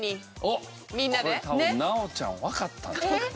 これは多分奈央ちゃんわかった。